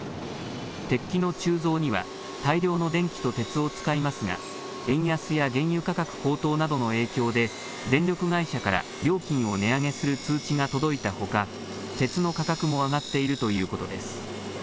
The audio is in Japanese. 鉄器の鋳造には大量の電気と鉄を使いますが、円安や原油価格高騰などの影響で、電力会社から料金を値上げする通知が届いたほか、鉄の価格も上がっているということです。